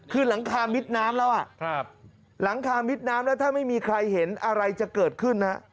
คือหลังคามิดน้ำแล้วหลังคามิดน้ำแล้วถ้าไม่มีใครเห็นอะไรจะเกิดขึ้นนะ